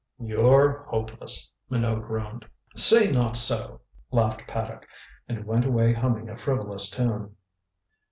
"You're hopeless," Minot groaned. "Say not so," laughed Paddock, and went away humming a frivolous tune.